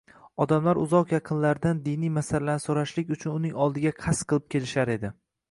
Odamlar uzoq yaqinlardan diniy masalalarni so‘rashlik uchun uning oldiga qasd qilib kelishar edi